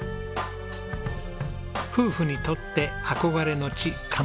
夫婦にとって憧れの地鎌倉。